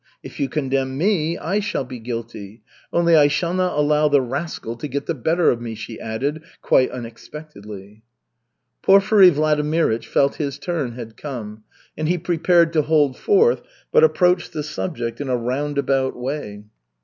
If you condemn me, I shall be guilty. Only I shall not allow the rascal to get the better of me," she added, quite unexpectedly. Porfiry Vladimirych felt his turn had come, and he prepared to hold forth, but approached the subject in a roundabout way.